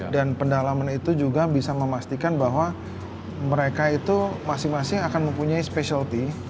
dan pendalaman itu juga bisa memastikan bahwa mereka itu masing masing akan mempunyai specialty